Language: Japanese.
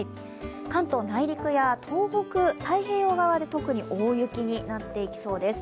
関東内陸や東北、太平洋側で特に大雪になっていきそうです。